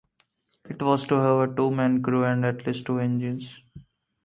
It was to have a two-man crew and at least two engines.